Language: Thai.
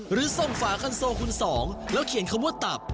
หรือส่งฝาคันโซคุณสองแล้วเขียนคำว่าตับ